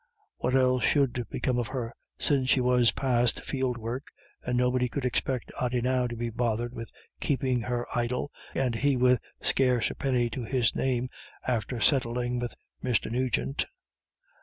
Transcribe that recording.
What else should become of her, since she was past field work, and nobody could expect Ody now to be bothered with keeping her idle, and he with scarce a penny to his name after settling with Mr. Nugent.